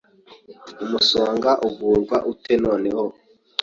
Umusonga uvurwa ute noneho?